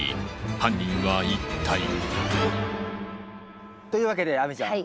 犯人は一体？というわけで亜美ちゃん。